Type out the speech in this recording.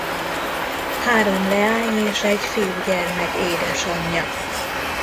Három leány- és egy fiúgyermek édesanyja.